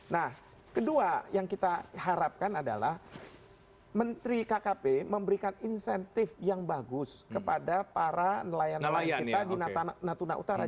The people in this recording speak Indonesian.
nah kedua yang kita harapkan adalah menteri kkp memberikan insentif yang bagus kepada para nelayan nelayan kita di natuna utara